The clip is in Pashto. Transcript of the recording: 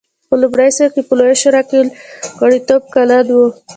په لومړي سر کې په لویه شورا کې غړیتوب کلن و.